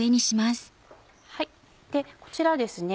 こちらですね